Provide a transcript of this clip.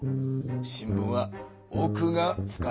新聞はおくが深いぞ。